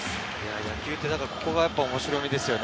野球ってやっぱりこの面白みですよね。